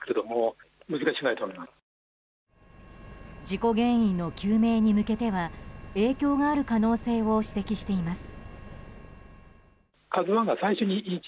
事故原因の究明に向けては影響がある可能性を指摘しています。